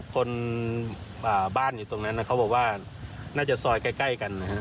คนบ้านอยู่ตรงนั้นเขาบอกว่าน่าจะซอยใกล้กันนะฮะ